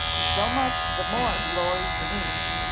So much the more glory to me.